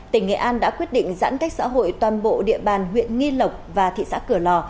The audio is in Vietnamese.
tỉnh nghệ an đã quyết định giãn cách xã hội toàn bộ địa bàn huyện nghi lộc và thị xã cửa lò